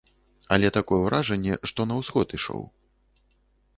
Але такое ўражанне, што на ўсход ішоў.